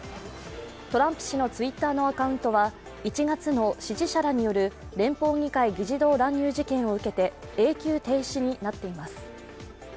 トランプ氏のＴｗｉｔｔｅｒのアカウントは１月の支持者らによる連邦議会議事堂乱入事件を受けて永久停止になっています。